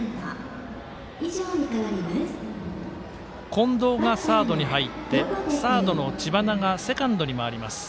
近藤がサードに入ってサードの知花がセカンドに回ります。